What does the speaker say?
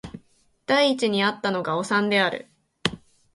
第一に逢ったのがおさんである